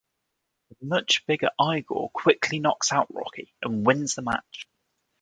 The much bigger Igor quickly knocks out Rocky and wins the match.